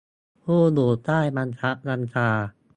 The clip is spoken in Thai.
ผู้อยู่ใต้บังคับบัญชา